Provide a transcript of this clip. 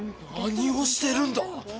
何をしてるんだ！